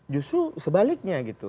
justru sebaliknya gitu